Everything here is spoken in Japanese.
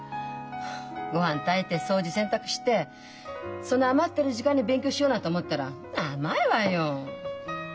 御飯炊いて掃除洗濯してその余ってる時間に勉強しようなんて思ったら甘いわよ！